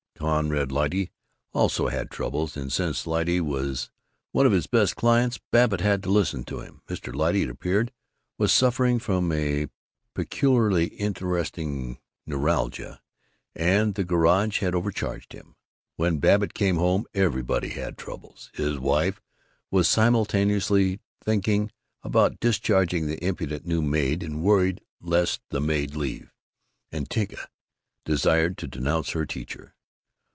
Conrad Lyte also had Troubles, and since Lyte was one of his best clients, Babbitt had to listen to them. Mr. Lyte, it appeared, was suffering from a peculiarly interesting neuralgia, and the garage had overcharged him. When Babbitt came home, everybody had Troubles: his wife was simultaneously thinking about discharging the impudent new maid, and worried lest the maid leave; and Tinka desired to denounce her teacher.